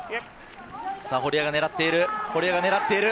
堀江が狙っている。